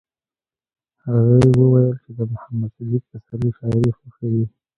هغې وویل چې د محمد صدیق پسرلي شاعري خوښوي